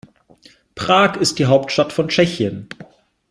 Prag ist die Hauptstadt von Tschechien.